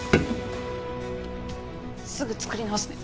すぐ作り直すね。